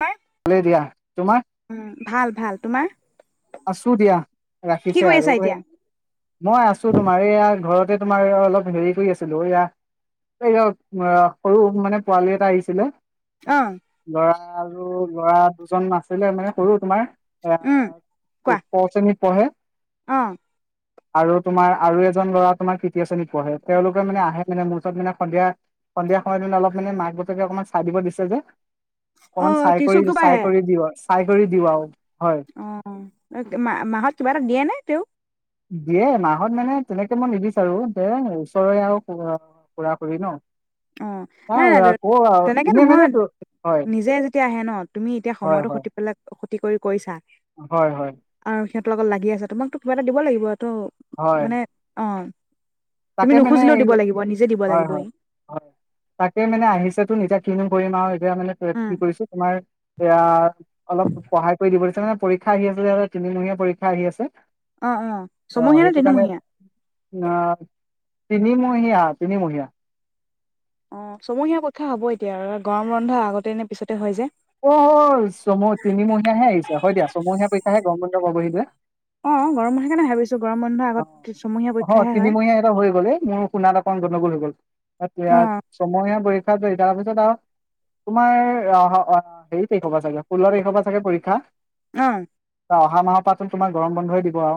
হয়। ভালে দিয়া, তোমাৰ? উম ভাল ভাল, তোমাৰ? আছো দিয়া। কি ৰাখিছে কৰি আছা আৰু এ, এতিয়া? মই আছো তোমাৰ এইয়া ঘৰতে তোমাৰ অলপ হেৰি কৰি আছিলো, এয়া এই সৰু মানে পোৱালি এটা আহিছিলে অ'। আ আৰু ল'ৰা দুজন আছিলে, মানে সৰু তোমাৰ এয়া উম, কোৱা ক শ্ৰেণীত পঢ়ে অ'। আৰু তোমাৰ আৰু এজন ল'ৰা তোমাৰ তৃতীয় শ্ৰেণী পঢ়ে। তেওঁলোকে মানে আহে মানে মোৰ ওচৰত মানে সন্ধিয়া, সন্ধিয়া সময়ত মানে অলপ মানে মাক-দেউতাকে অকমান চাই দিব দিছে যে। অকমান অ', চাই কৰি, ত্ৰিশূল কৰ পৰা চাই আহে? কৰি দিওঁ আৰু চাই কৰি দিও আও অ' মা-মাহত কিবা এটা দিয়ে নে তেওঁ? দিয়ে, মাহত মানে তেনেকে মই নিবিচাৰো। যে ওচৰৰে আৰু খুড়া-খুড়ী ন'। অ' নাই নাই, আহ ক তেনেকে এনে মানে নহয় তো- হয় নিজে যেতিয়া আহে ন' তুমি এতিয়া হয় সময়তো হয় ক্ষতি পেলাই ক্ষতি কৰি কৰিছা। হয়, হয়। আৰু সিহঁতৰ লগত লাগি আছা, তোমাকতো কিবা এটা দিব লাগিব। ত' হয় মানে, অ'। তুমি তাকে মানে নুখুজিলেও দিব লাগিব, নিজে দিব হয় লাগিব হয় সি। হয় তাকে মানে আহিছেতো এতিয়া কিনো কৰিম আও। এতিয়া মানে উম, [unintelligible] কৰিছো তোমাৰ এতিয়া, অলপ পহাই কৰি দিব, সেইটোকাৰনে পৰীক্ষা আহি আছে, তিনিমহীয়া পৰীক্ষা আহি আছে। অ' অ', ছমহীয়া নে তিনিমহীয়া? তিনিমহীয়া-তিনিমহীয়া। অ' ছমহীয়া পৰীক্ষা হ'ব এতিয়া, গৰম বন্ধৰ আগতে নে পিছত অ' অহ' ছম-তিনিমহীয়াহে আহিছে, হয় দিয়া। ছয়মহীয়া পৰীক্ষাহে। গৰম পৰীক্ষা পাবহি যে। অ গৰম, সেইকাৰণে ভাবিছ অ অ তিনিমহীয়া এটা হৈ গ'লে, মোৰ শুনা তাত কন গণ্ডগোল হৈ গ'ল। এতিয়া অ ছমহীয়া পৰী ক্ষা তাৰপিছত আও তোমাৰ অ হ অ অ হেৰি তাৰিখৰ পৰা ছাগে, ষোল্ল তাৰিখৰ পৰা ছাগে পৰীক্ষা উম অহা মাহৰ পৰাতো তোমাৰ গৰম বন্ধয়ে দিব আও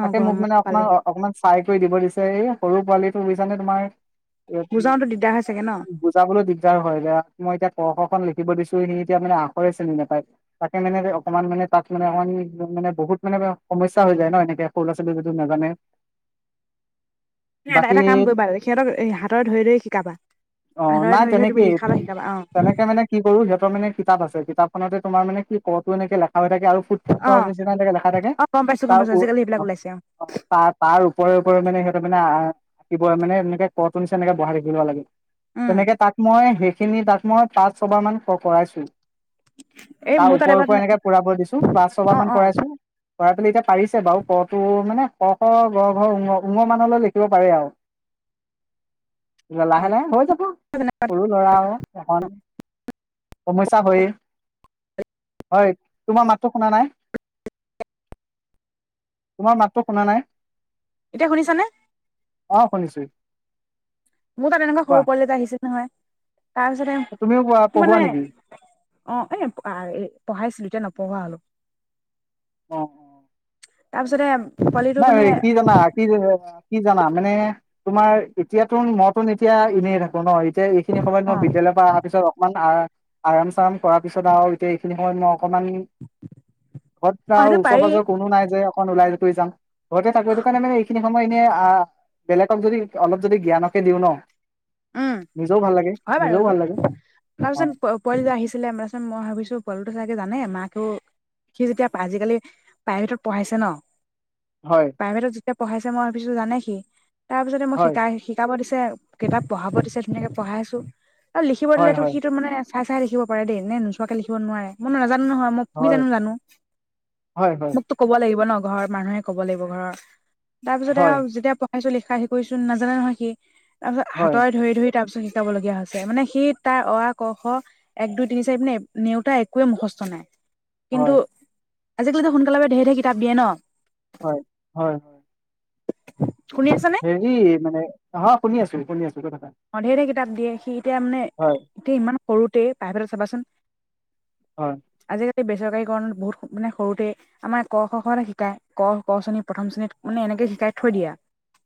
অ তাকে গৰম মোক মানে বন্ধ আপোনাৰ পালেহি অ অকমান চাই কৰি দিব দিছে। এই সৰু পোৱালিটো বুজিছানে তোমাৰ। বুজাওতো দিগদাৰ হয় চাগে ন বুজাবলৈ দিগদাৰ হয়। মই এতিয়া ক খ খন লিখিব দিছোঁ, সি এতিয়া মানে আখৰে চিনি নাপায়। তাকে মানে অকমান মানে তাক মানে অকণমান মানে বহুত মানে সমস্যা হৈ যায়। ন এনেকে সৰু ল'ৰা-ছোৱালীবোৰ টো নাজানে। এটা বাকী এটা কাম কৰিবা সিহঁতক হাতৰে ধৰি ধৰি শিকাবা। অ হাতৰে নাই ধৰি ধৰি তুমি তেনেকেই লিখাবা শিকাবা। অ তেনেকে মানে কি কৰো সিহঁতৰ মানে কিতাপ আছে কিতাপখনতে তোমাৰ মানে কি ক টো এনেকে লেখ। খা থাকে আৰু ফুট অ ফুটৰ নিচিনা থাকে লেখা থাকে। অ গম পাইছো গম তাৰ পাইছো উৰ আজিকালি সেইবিলাক অ ওলাইছে অ তাৰ তাৰ ওপৰে ওপৰে মানে সিহঁতে মানে। তাৰ থাকিব মানে এনেকে ক টোৰ নিচিনা এনেকে বহা থাকিব লাগে। উম তেনেকে তাক মই সেই। খিনি তাক মই পাঁচ ছবাৰ মান প পঢ়াইছো। এই তাৰ মোৰ তাত ওপৰে এবাৰ ওপৰে এনেকে পুৰা পঢ়ি দিছোঁ। পাঁচ অ ছবাৰ মান অ কৰাইছোঁ। লৰা ছোৱালী কা। পাৰিছে বাৰু ক টো মানে ক, খ, গ, ঘ, ঙ। ঙ মানলৈ লিখিব পাৰে আৰু। ল অ লাহে লাহে হৈ যাব। সৰু ল'ৰা আৰু অকন সমস্যা হয়ে হয়। তোমাৰ মাতটো শুনা নাই। তোমাৰ মাতটো শুনা নাই। এতিয়া শুনিছানে? অ শুনিছোঁ। মোৰ তাত তেনেকুৱা সৰু পোৱালি এটা আহিছে। নহয়। তাৰ পিছতে তুমিও কোৱা, ম পঢ়োৱা মানে নেকি অ এ পঢ়াইছিলো এতিয়া ন। পঢ়ালো। অ। তাৰ পিছতে। পোৱালিটো নাই মানে এ কি জানা কি যে। কি জানা মানে তোমাৰ এতিয়াতো মইতোন এতিয়া এনেই থাকো ন এতিয়া। সেইখিনি সময়ত অ মই বিদয়ালয়ৰ পৰা অহাৰিছত অকণমান। আৰাম চৰাম কৰাৰ পিছত আৰু এতিয়া ইখিনি সময়ত মই অকমান। আগত অ সেইটো আৰু ওচৰ পাৰি পাজৰ কোনো নাই যে অকল ওলাই থৈ যাম। ঘৰতে থাকো সেইটো কাৰণে মানে সেইখিনি। ত'এনে আহ বেলেগক যদি অলপ যদি জ্ঞানকে দিওঁ ন। উম নিজেও ভাল লাগে হয় বাৰু নিজেও এইটো ভাল লাগে তাৰ অ পাছত পোৱালি আহিছিল আমাৰ ওচৰত মই ভাবিছো পোৱালিটো চাগ। জানে মাকেও সি যেতিয়া আজিকালি প্ৰাইভেটত পঢ়াইছে ন'। হয় প্ৰাইভেটত যেতিয়া পঢ়াইছে। মই পিছত জানে সি। তাৰ পিছতে মই হয় শিকাই শিকাব দিছিলো। তে' কিতাপ। পঢ়াব দিছে তেনেকে পঢ়াই আছো। অ লিখিব দিলে হয় হয় সিটো মানে। চাই চাই লিখিব পাৰে দে এনে নোচোৱাকে লিখিব নোৱাৰে মই নাজানো। জানো নহয় মই ত কি হয় জানো জানো হয় হয় মোকতো ক'ব লাগিব ন'। ঘৰৰ মানুহে ক'ব লাগিব ঘৰৰ। তাৰপিছতে আৰু হয় যেতিয়া। পিছত লিখাে শিকাইছোঁ নাজানে নহয় সি। তাৰ পিছত হা। হয় তই ধৰি ধৰি তাৰ পিছত। কাব লগগীয়া হৈছে মানে সি তাৰ অ আ ক খ এক দুই তিনি চাৰি নেওতা একোৱে মুখস্থ নাই। কিন্তু। হয় আজিকালিতো সোনকালেৰে কিতাপ দিয়ে ন'। হয়, হয়, হয়। [unintelligible] হেৰি মানে আহ। শুনি আছো শুনি আছে। ঠিকে থাকা। তাত দাবিয়ে সি। তেতিয়া মানে হয়, কে ইমান। সৰুতে প্ৰাইভেটত চাবাচোন। হয়। বেচৰকাৰী কাৰণত বহুত মানে সৰুতে আমাৰ ক, খ খতে শিকায় ক, ক শ্ৰেণী প্ৰথম শ্ৰেণত মানে এনেকে শিকাই থৈ দিয়া।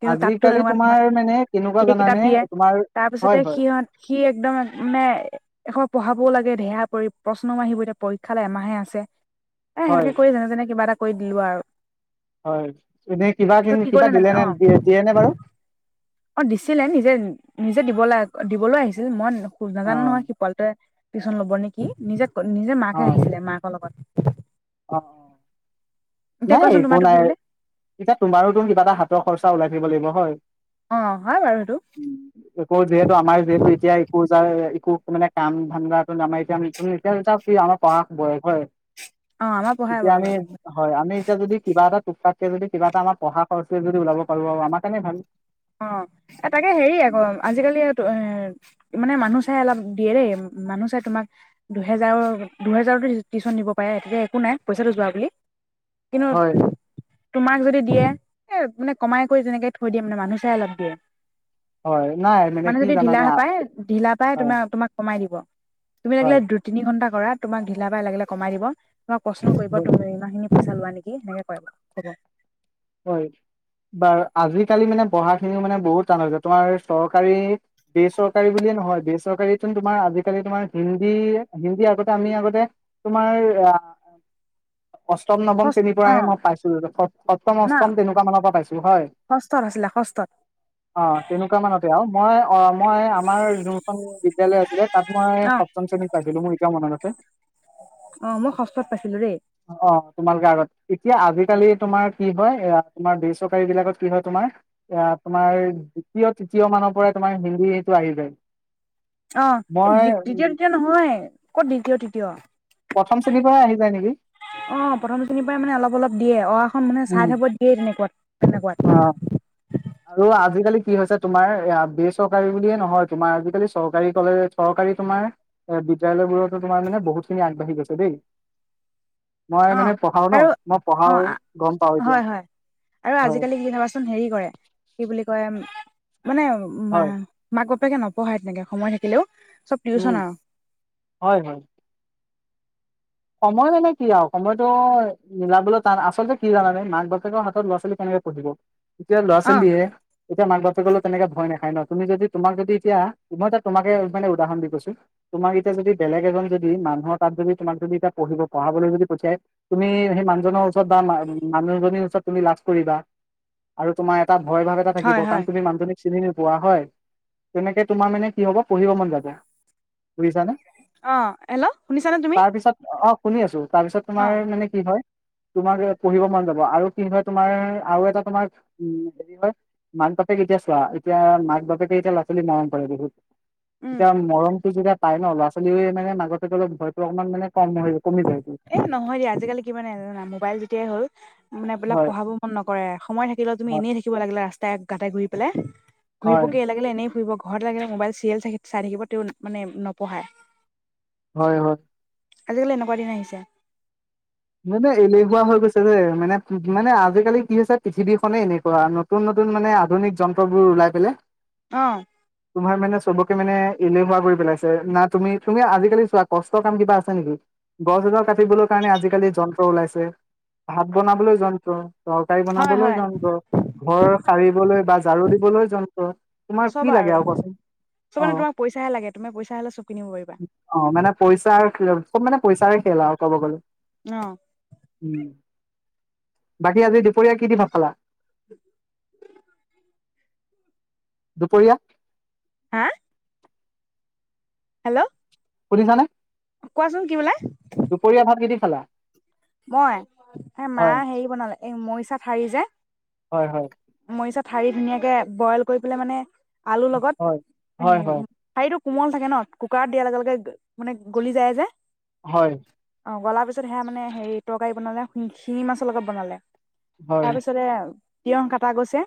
কিন্তু তাততো আজিকালি এনেকুৱা তোমাৰ মানে কেনেকুৱা জানানে তোমাৰ। হয়, তাৰপিছতে হয়, সিহঁত সি একদম মানে এখন। পঢ়াবও লাগে ধেহ পৰি প্ৰশ্ন আহিব। এতিয়া পৰীক্ষালৈ এমাহে আছে। হয়, সেনেকে কৰি যেনে তেনে কিবা এটা কৰি। কৈ দিলো আও। হয়, এনেই কিবািনি কিবা কৰিলে দিলে নাজানো নে অ', দে দিয়ে নে বাৰু? অ দিছিলে নিজে নিজে দিবলৈ দিবলৈ আহিছিল মন। খোজ অ', নাজানে নহয় সিফালতে। টিউচন ল'ব নেকি, নিজে- নিজে মাকে অ', আহিছিলে মাকৰ লগত। অ অ এতিয়া নাই কোৱাচোন একো তোমাৰতো নাই কি বোলে এতিয়া, তোমাৰোতো কিবা এটা হাতৰ খৰচা ওলাই থাকিব লাগিব হয়। অ', হয় বাৰু সেইটো উ। আকৌ যিহেতু আমাৰ যিহেতু এতিয়া ইটো জাৰ কুক মানে কাম ধান্দাটো নামাইছে, আমি তুমি এতিয়াচোন চাওক আমাৰ পঢ়া বয়স হয়। অ আমাৰ পঢ়াই এতিয়া আমি বয়স হয়। আমি এতিয়া যদি কিব এটা টো- যদি কিবা এটা আমাৰ পঢ়া- খৰচ যদি ওলাব পাৰো আমাৰ কাৰণে ভাল। অ এ তাকে হেৰি আকৌ আজিকালি এটোয়ে - মানে মানুহ চাই অলপ দিয়ে দেই মানুহ চাই তোমাক দুহেজাৰৰ দুহেজাৰতো টিউশন দিব পাৰে তেতিয়া একো নাই পইচাটো যোৱা বুলি। কিন্তু হয় তোমাক যদি দিয়ে, এ কমাই কৰি যেনেকে থৈ দিয়ে মানে মানুহ- চাই লগ দিয়ে। হয় নাই মানে কি যদি ঢিলা জানানে পায় ঢিলা পাই হয় তোমাক তোমাক কমাই দিব। তুমি লাগিলে হয় দু তিনি ঘণ্টা কৰা তোমাক ঢিলা বাই লাগিলে কমাই দিব। কিবা প্ৰশ্ন কৰিব তুমি ইমানখিনি পইচা লোৱা নেকি সেনেকে কয়, কব। হয়, বাৰু আজিকালি মানে পঢ়াখিনিও মানে বহুত টান হৈ হৈছে। তোমাৰ চৰকাৰী বেচৰকাৰী বুলিয়ে নহয় বেচৰকাৰী চোন তোমাৰ আজিকালি তোমাৰ হিন্দী হিন্দী আগতে আমি আগতে তোমাৰ- অষ্টম নৱম ষষ্ঠ শ্ৰেণীৰ অ পৰাহে মই পাইছো। ফ- না অষ্টম তেনেকুৱা মানৰ পৰা পাইছো। হয় ষষ্ঠত আছিলে ষষ্ঠত অ তেনেকুৱা মানতে। মই অ মই আমাৰ যোনখন বিদ্যালয় আছিলে তাত মই অ সপ্তম শ্ৰেণীত পাইছিলো, মোৰ এতিয়াও মনত। আ [unintelligible] অ মই ষষ্ঠত পাইছিলো দেই অ তোমালোকে আগত। এতিয়া আজিকালি তোমাৰ কি হয় এ তোমাৰ বেচৰকাৰী বিলাকত কি হয় তোমাৰ এ তোমাৰ দ্বিতীয়, তৃতীয় মানৰ পৰাই তোমাৰ হিন্দী সেইটো আহি যায়। অ এই মই তৃতীয় উম, তৃতীয় নহয়, কত দ্বিতীয় তৃতীয়। অ প্ৰথম শ্ৰেণীৰ পৰাই আহি যায় নেকি প্ৰথম শ্ৰেনীৰ পৰাই মানে অলপ অলপ দিয়ে, অ আ খন মানে চাই উম থাব দিয়ে। ক [unintelligible] তেনেকুৱা। অ আৰু আজিকালি কি হৈছে তোমাৰ বেচৰকাৰী বুলিয়ে নহয় তোমাৰ আজিকালি চৰকাৰী কলে চৰকাৰী তোমাৰ এ বিদ্্যালয়বোৰতো তোমাৰ মানে বহুতখিনি আগবাঢ়ি গৈছে দেই মই অ মানে পঢ়াও ন আৰু মই অ পঢ়াও গম পাও এতিয়া হয় হয় আৰু হয় আজিকালি কি চাবাচোন হেৰি কৰে কি বুলি কয় মানে উ মা হয় মাক তাকে নপঢ়ায় তেনেকে সময় থাকিলেও চব টিউচন উম আৰু হয় হয় সময় মানে কি আৰু সময়তটো মিলাবলৈ টান আচলতে কি জানানে মাক বাপেকৰ হাতত ল'ৰা ছোৱালী কেনেকে পঢ়িব এতিয়া ল'ৰা অ ছোৱালীয়ে এতিয়া মাক বাপে কলে তেনেকে ভয় নাখায় ন তুমি যদি তোমাক যদি এতিয়া মই এ তোমাকে মানে উদাহৰণ দি কৈছো তোমাক এতিয়া যদি বেলেগ এজন যদি মানুহৰ তাত যদি তোমাক যদি এ পঢ পঢ়াবলৈ য [unintelligible] পঠিয়াই তুমি সেই মানুহজনৰ ওচৰত বা মানুহীৰ ওচৰত তুমি লাজ কৰিবা আৰু তোমাৰ এটা ভয় ভাৱ এটা থাকিব হয় কাৰণ হয় তুমি মানুহজনী চিনি নোপোৱা হয় তেনেকে তোমাৰ মানে কি হব পঢ়িব মন যাব বুজিছানে অ হেল্ল' শুনিছানে তুমি তাৰপিছত অ শুনি আছো তাৰপিছত অ তোমাৰ মানে কি হয় তোমাক পঢ়িব মন যাব আৰু কি হয় তোমাৰ আৰু এটা তোমাৰ হেৰি হয় মাক বাপেক এতিয়া চোৱা এতিয়া মাক বাপেকে এতিয়া ল'ৰা ছোৱালী মৰম কৰে বহুত উম এতিয়া মৰম যো পাই ন লৰা ছোৱালীয়ে মানে মাগতেপ ভয়তো অকমান মানে কম ন কমি যায় এ নহয় দিয়া আজিকালি কিমানানে [unintelligible] জানা মোবাইল যেতিয়াই হ'ল মানে এইবিলাক হয় পঢ়াব মন নকৰে সময় থাকিলে তুমি হয় এনেই থাকিব লিলে ৰাস্তাই গাতে ঘূৰি প্লে ঘূৰি হয় পকি লাগিলে এনেই ফুৰিব গৈ ঘৰত লাগিলে মোবাইল চিৰিয়েল চাই থাকিব তেওঁ মানে নপঢ়ায় হয় হয় আজিকালি এনেকা দিন আহিছে এ নাই নে এলেহুৱা হৈ গৈছে যে মানে মানে আজিকালি কি হৈছে পৃথিৱীখনে এনেকুৱা নতুন নতুন মানে আধুনিক যন্ত্ৰবোৰ ওলাই পেললে অ তোমাৰ মানে চবকে মানে এলেহুৱা কৰি পেলাইছে না তুমি তুমি আজিকালি চোৱা কষ্টৰ কাম কিবা আছে নেকি গছ এডৰ কাটিবলৈ কাৰণে আজালি খালি যন্ত্ৰ ওলাইছে ভাত বনাবলৈ যন্ত্ৰ তৰকাৰী হয় বনাবলৈ হয় যন্ত্ৰ ঘৰ সাৰিবলৈ বা ঝাৰু দিবলৈ যন্ত্ৰ তোমাৰ কি লাগে আৰু কচোন চব অ মানে তোমাক পইচাহে লাগে তুমি পইচা হলে চব কিনিব পাৰিবা আহ মানে পইচাৰ চব মানে পইচাৰে খেল আৰু কব গলে অ উম। বাকী আজি দুপৰীয়া কি দি ভাত পালা? [inaudible] দুপৰীয়া? হা? হেল্ল' শুনিছানে? কোৱাচোন কি বোলে? দুপৰীয়া ভাত কি দি খালা? মই এই মা হয় হেৰি বনালে এই ম‌ইচা ঠাৰি যে হয় হয় ম‌ইচা ঠাৰি ধুনীয়াকে বইল কৰি পেলাই মানে আলুৰ লগত হয় এ হয় খাইদো কোমল থাকে ন, কুকাৰত দিয়াৰ লগে লগে মানে গলি যায় যে। হয় অঁ'ল পিছত সেয়াানে [unintelligible] হেৰি তৰকাৰী বনালে শিঙি মাছৰ লগত বনালে। হয় তাৰপিছতে তিয়হ কাটা গৈছে।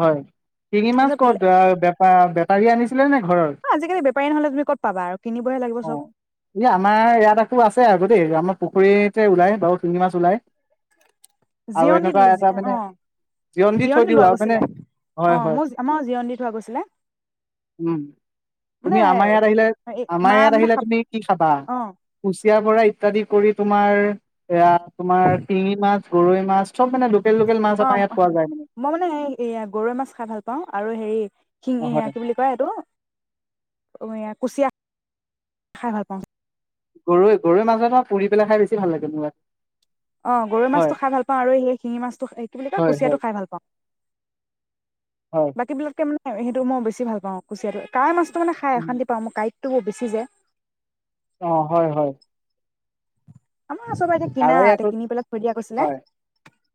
হয় তিৰি মাছ তাৰপিছত বিলে ক'ত আ বেপাৰ বে- পাৰি আনিছিলে নে? ঘৰৰ, আজিকালি বেপাৰী নহ'লে তুমি ক'ত পাবা আৰু কিনিবহে লাগিব অ চব এই আমাৰ ইয়াত আকো আছে আক দেই আমাৰ পুখুৰীতে ওলাই বাৰু শিঙি মাছ ওলাই। আৰু জিৰণ দি এনেকুৱা এটা মানে অঁ জিয়ণ দি জিৰণ থৈ দিওঁ লোৱা আও, মানে গৈছিলে হয় অঁ হয়। মোৰ আমাৰ জিৰণ দি থোৱা গৈছিলে উম মানে তুমি আমাৰ ইয়াত আহিলে আমাৰ মা ইয়াত মানে আহিলে তুমি কি খাবা? অঁ কুচিয়া বৰা ইত্যাদি কৰি তোমাৰ এ [unintelligible] তোমাৰ শিঙি মাছ, গৰৈ মাছ, চব মানে লোকেল লোকেল মাছ অঁ আমাৰ ইয়াত পোৱা যায় মানে। এইয়া গৰৈ মাছ খাই ভাল পাওঁ। আৰু হেৰি অ শিঙীয়া হয় কি বুলি কয় এইটো? য়াত- কুচিয়া খাই ভাল পাওঁ। গৰৈ গৰৈ মাছ ধৰা পুৰি পেলাই খাই বেছি ভাল লাগে মোৰ- অ গৰৈ হয় মাছটো খাই ভাল পাওঁ আৰু সেই শিঙি মাছটো কি বুলি কয় হয় হয় কুচিয়াটো খাই ভাল পাওঁ। হয় বাকী বিলাককে মানে সেইটো মই বেছি ভাল পাওঁ কুচিয়টো। কাই মা ত মানে খাই উম অশান্তি পাওঁ মই কাই বেছি যায় অ হয় হয় আমাৰ ওচৰব এতিয়া কিনা কাৱৈ এতিয়া আকৌ কিনি পেলাই খৈ দিয়া গৈছিলে হয়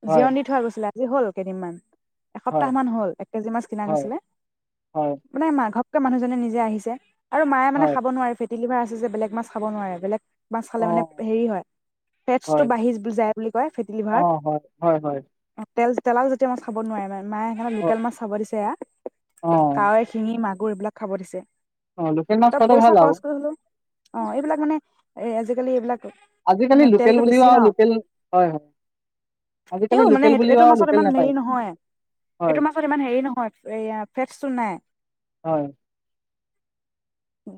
হয়, জিৰণ দি থোৱা গৈছিলে ি হল কেইদিনমান হয়, এসপ্তাহ মান হল এক কেজি মাছ কিনা হয়, গৈছিলে হয়, মানে মাঘৰ মানুহজনে নিজে আহিছে আৰু মায়ে মানে হয়, খাব নোৱাৰে ফি ডেলিভাৰ আছে যে বেলেগ মাছ খাব নোৱাৰে বেলেগ বাছ অ', খালে মানে হেৰি হয় ফেটটো হয়, বাঢ়ি যায় বুলি কয় ফেট অ', লিভাৰত হয়, হয়, হয়, তেল তেলক য যেতি [unintelligible] মাখাব নোৱাৰিম মানে মাে এখনত অ', লোকেল মাছ চাব দিছে অ', কাৱৈ শিঙি মাছ [unintelligible] গৰুবিলাক খাব দিছে অ', লোকেল মাছ তাত খোৱাটো ভাল পইচা আৰু খৰচ কৰি হলে অ এইবিলাক মানে এই আজিকালি এইবিলাক আজিকালি মানে লোকেল তেলটো বুলিও বেছি ন আৰু লোকেল হয়, হয়, আজিকালি তেও মানে লোকেল বুলিও এইটো আৰু মাছত লোকেল ইমান নাপায় হেৰি নহয় হয়, এইটোৰ মাছত ইমান হেৰি নহয় এ ফেটচটো নাই হয়। উ